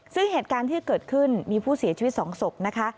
ซึ่งเหตุการณ์ที่เกิดขึ้นมีผู้เสียชีวิต๒ศพนะคะ